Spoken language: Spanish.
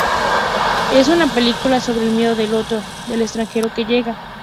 Es una película sobre el miedo del otro, del extranjero que llega.